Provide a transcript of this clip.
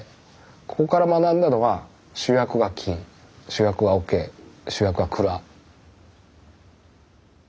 ここから学んだのは主役は菌主役は桶主役は蔵。